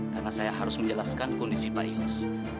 karena saya harus menjelaskan kondisi pak yos